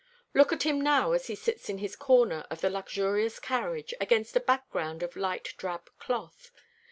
Look at him now as he sits in his corner of the luxurious carriage, against a background of light drab cloth.